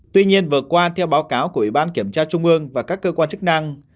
tuy nhiên vừa qua theo báo cáo của ủy ban kiểm tra trung ương và các cơ quan chức năng